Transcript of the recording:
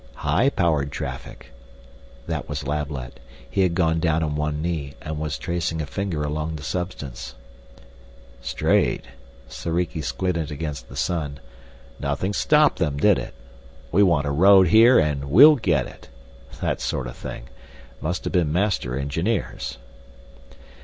"High powered traffic " That was Lablet. He had gone down on one knee and was tracing a finger along the substance. "Straight " Soriki squinted against the sun. "Nothing stopped them, did it? We want a road here and we'll get it! That sort of thing. Must have been master engineers."